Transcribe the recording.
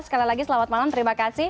sekali lagi selamat malam terima kasih